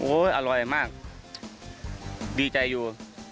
อร่อยมากดีใจอยู่